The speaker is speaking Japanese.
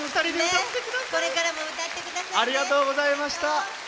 これからも歌ってくださいね。